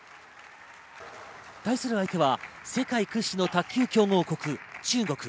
対する相手は世界屈指の卓球強豪国・中国。